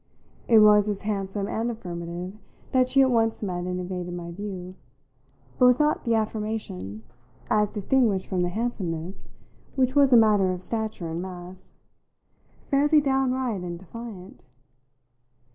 It was as handsome and affirmative that she at once met and evaded my view, but was not the affirmation (as distinguished from the handsomeness, which was a matter of stature and mass,) fairly downright and defiant?